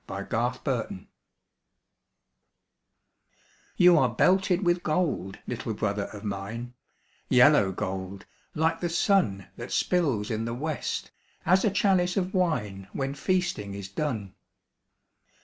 THE HOMING BEE You are belted with gold, little brother of mine, Yellow gold, like the sun That spills in the west, as a chalice of wine When feasting is done.